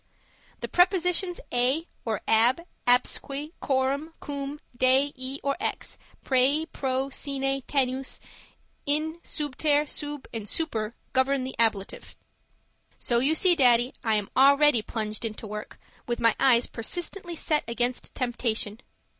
The prepositions a or ab, absque, coram, cum, de e or ex, prae, pro, sine, tenus, in, subter, sub and super govern the ablative. So you see, Daddy, I am already plunged into work with my eyes persistently set against temptation.